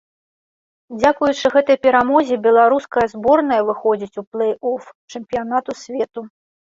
Дзякуючы гэтай перамозе беларуская зборная выходзіць у плэй-оф чэмпіянату свету.